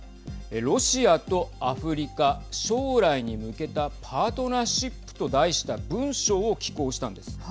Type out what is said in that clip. ロシアとアフリカ将来に向けたパートナーシップと題した文書を寄稿したんです。